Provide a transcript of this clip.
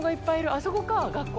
あそこか、学校。